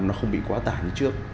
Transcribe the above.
nó không bị quá tản như trước